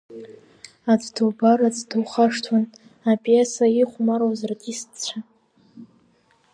Аӡә дубар, аӡә духашҭуан апиеса ихәмаруаз артистцәа.